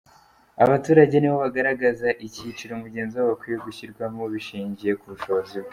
Abaturage nibo bagaragaza icyiciro mugenzi wabo akwiye gushyirwamo bashingiye ku bushobozi bwe.